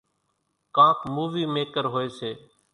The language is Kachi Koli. ڪانڪ مُووِي ميڪر هوئيَ سي۔